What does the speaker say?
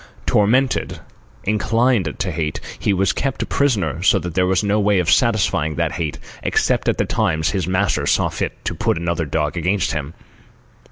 Tormented, incited to hate, he was kept a prisoner so that there was no way of satisfying that hate except at the times his master saw fit to put another dog against him.